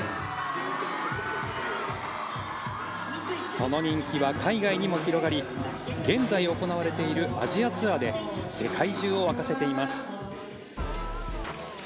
その人気は海外にも広がり現在行われているアジアツアーで世界中を沸かせています。